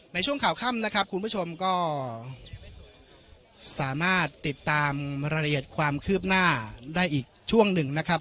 ในช่วงข่าวค่ำนะครับคุณผู้ชมก็สามารถติดตามรายละเอียดความคืบหน้าได้อีกช่วงหนึ่งนะครับ